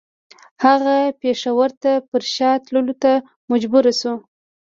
هغه پېښور ته پر شا تللو ته مجبور شو.